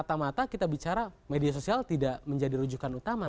semata mata kita bicara media sosial tidak menjadi rujukan utama